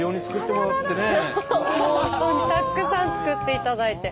本当たくさん作っていただいて。